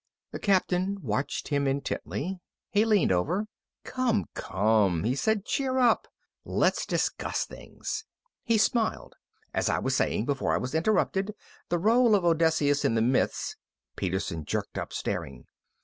The Captain watched him intently. He leaned over. "Come, come," he said. "Cheer up! Let's discuss things." He smiled. "As I was saying before I was interrupted, the role of Odysseus in the myths " Peterson jerked up, staring.